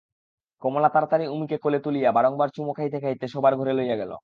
কমলা তাড়াতাড়ি উমিকে কোলে তুলিয়া বারংবার চুমো খাইতে খাইতে শোবার ঘরে লইয়া গেল।